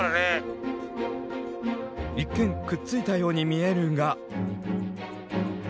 一見くっついたように見えるが。